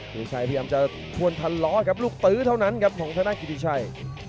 กิริชัยพยายามจะทวนทะเลาะกับลูกตื้อเท่านั้นครับของชนะกิริชัย